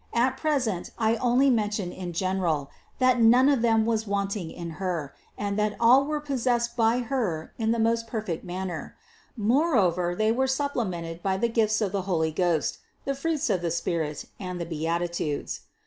At present I only mention in general, that none of them was wanting in Her, and that all were possessed by Her in the most perfect manner ; moreover they were supplemented by the gifts of the Holy Ghost, the fruits of the Spirit, and the Beatitudes.